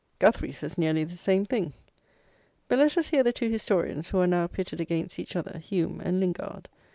Guthrie says nearly the same thing. But let us hear the two historians, who are now pitted against each other, Hume and Lingard.